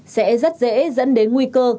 sẽ rất dễ dẫn đến nguy cơ